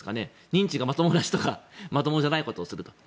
認知がまともな人がまともじゃないことをするという。